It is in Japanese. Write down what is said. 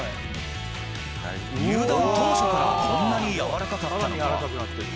入団当初からこんなに柔らかかったのか？